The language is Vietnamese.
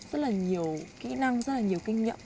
rất là nhiều kỹ năng rất là nhiều kinh nghiệm